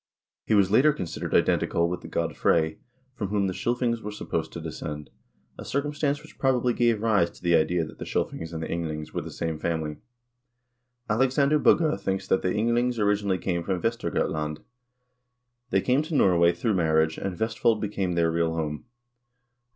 He was later considered identical with the god Frey, from whom the Scilfings were supposed to descend, a cir cumstance which probably gave rise to the idea that the Scilfings and the Ynglings were the same family. Alexander Bugge thinks that the Ynglings originally came from Vestergotland. They came to Norway through marriage, and Vestfold became their real home.